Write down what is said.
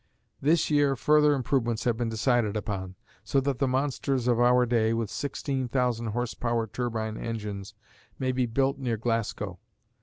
This year further improvements have been decided upon, so that the monsters of our day, with 16,000 horse power turbine engines, may be built near Glasgow.